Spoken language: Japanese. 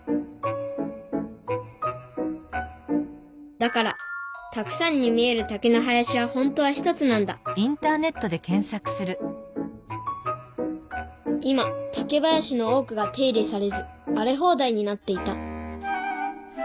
だからたくさんに見える竹の林は本当は１つなんだ今竹林の多くが手入れされずあれほうだいになっていた。